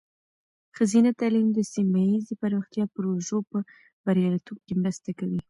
ښځینه تعلیم د سیمه ایزې پرمختیا پروژو په بریالیتوب کې مرسته کوي.